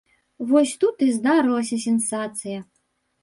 Вось тут і здарылася сенсацыя.